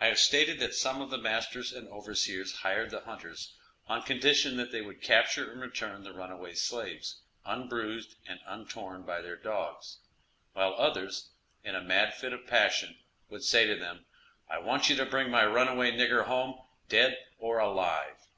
I have stated that some of the masters and overseers hired the hunters, on condition that they would capture and return the runaway slaves, unbruised and untorn by their dogs; while others, in a mad fit of passion, would say to them, "I want you to bring my runaway nigger home, dead or alive."